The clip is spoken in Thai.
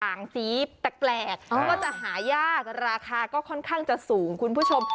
สีแปลกก็จะหายากราคาก็ค่อนข้างจะสูงคุณผู้ชม